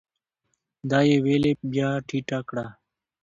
دا يې ويلې بيا ټيټه کړه ؟